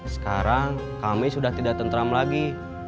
sekarang kami sudah tidak tentram lagi